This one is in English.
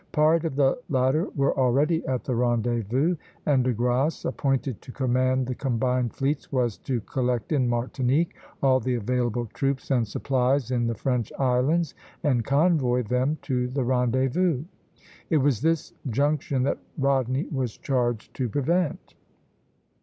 Part of the latter were already at the rendezvous; and De Grasse, appointed to command the combined fleets, was to collect in Martinique all the available troops and supplies in the French islands, and convoy them to the rendezvous. It was this junction that Rodney was charged to prevent.